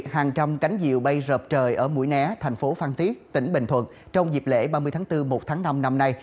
hàng trăm cánh diều bay rợp trời ở mũi né thành phố phan thiết tỉnh bình thuận trong dịp lễ ba mươi tháng bốn một tháng năm năm nay